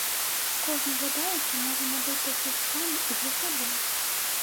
Кожны жадаючы можа набыць такі ж самы і для сябе.